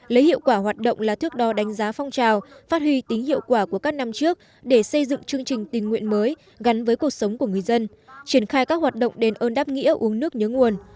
lấy hiệu quả hoạt động là thước đo đánh giá phong trào phát huy tính hiệu quả của các năm trước để xây dựng chương trình tình nguyện mới gắn với cuộc sống của người dân triển khai các hoạt động đền ơn đáp nghĩa uống nước nhớ nguồn